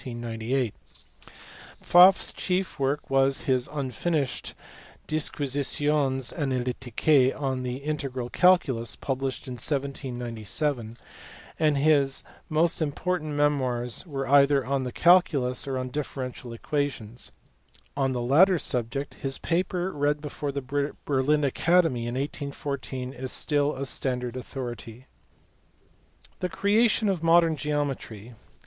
Pfaflfs chief work was his (unfinished) Disquisitiones Analyticae on the integral calculus, published in 1797 ; and his most important memoirs were either on the calculus or on differential equations : on the latter subject his paper read before the Berlin Academy in 1814 is still a standard authority. The creation of modern geometry.